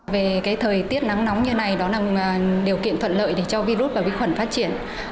về cái thời tiết nắng nóng như này đó là điều kiện thuận lợi để cho virus và vĩ khuẩn phát triển